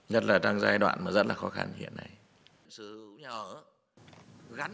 nhất là đang giai đoạn mà rất là khó khăn hiện nay